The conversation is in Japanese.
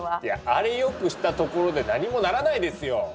いやあれ良くしたところで何もならないですよ。